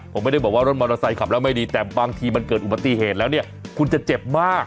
ผมไม่ได้บอกว่ารถมอเตอร์ไซค์ขับแล้วไม่ดีแต่บางทีมันเกิดอุบัติเหตุแล้วเนี่ยคุณจะเจ็บมาก